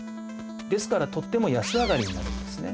ですからとっても安上がりになるんですね。